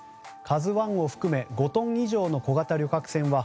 「ＫＡＺＵ１」を含め５トン以上の小型旅客船は